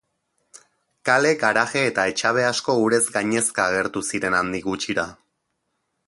Kale, garaje eta etxabe asko urez gainezka agertu ziren handik gutxira.